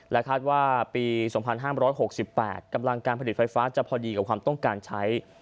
คาดว่าปี๒๕๖๘กำลังการผลิตไฟฟ้าจะพอดีกับความต้องการใช้